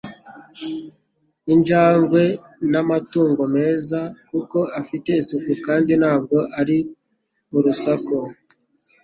Injangwe ni amatungo meza, kuko afite isuku kandi ntabwo ari urusaku.